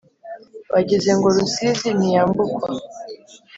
bagize ngo Rusizi ntiyambukwa